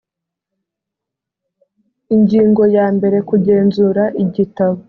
ingingo ya mbere kugenzura igitabo